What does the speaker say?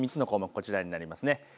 こちらになります。